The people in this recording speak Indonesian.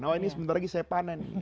nah ini sebentar lagi saya panen